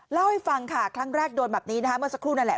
เล่าให้ฟังค่ะครั้งแรกโดนแบบนี้นะคะเมื่อสักครู่นั่นแหละ